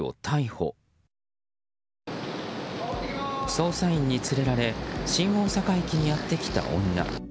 捜査員に連れられ新大阪駅にやってきた女。